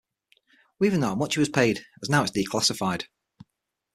We even know how much he was paid, as it's now declassified.